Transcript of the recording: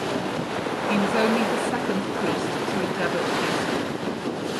He was only the second priest to endeavor to do so.